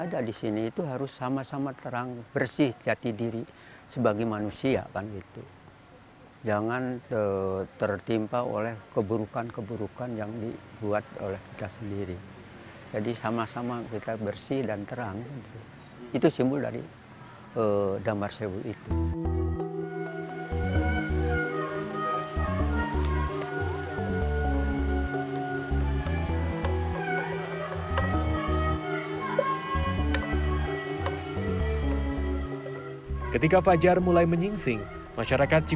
jadi intinya berkumpul berbahagia bersama